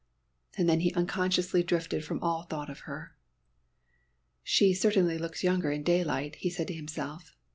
And then he unconsciously drifted from all thought of her. "She certainly looks younger in daylight," he said to himself.